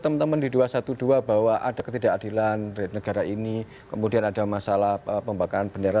teman teman di dua ratus dua belas bahwa ada ketidakadilan dari negara ini kemudian ada masalah pembakaran bendera